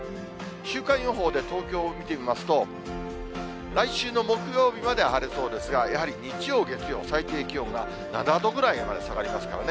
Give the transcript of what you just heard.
週間予報で東京を見てみますと、来週の木曜日まで晴れそうですが、やはり日曜、月曜、最低気温が７度ぐらいまで下がりますからね。